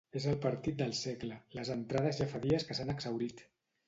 És el partit del segle: les entrades ja fa dies que s'han exhaurit.